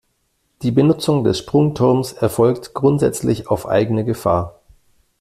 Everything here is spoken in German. Die Benutzung des Sprungturms erfolgt grundsätzlich auf eigene Gefahr.